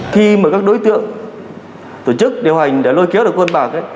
khi mà các đối tượng tổ chức điều hành đã lôi kéo được quân bạc